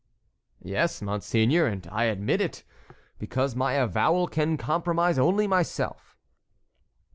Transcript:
"Yes, monseigneur, and I admit it, because my avowal can compromise only myself."